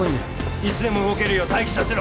いつでも動けるよう待機させろ！